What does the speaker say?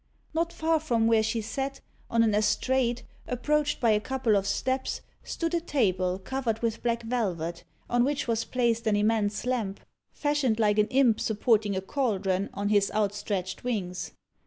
Not far from where she sat, on an estrade, approached by a couple of steps, stood a table covered with black velvet, on which was placed an immense lamp, fashioned like an imp supporting a caldron on his outstretched wings.